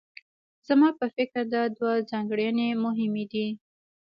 زما په فکر دا دوه ځانګړنې مهمې دي.